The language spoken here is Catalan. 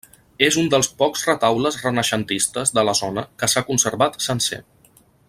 És un dels pocs retaules renaixentistes de la zona que s’ha conservat sencer.